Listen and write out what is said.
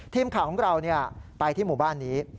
ทีมข่าวของเราไปที่หมู่บ้านนี้